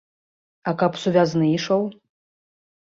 А каб сувязны ішоў?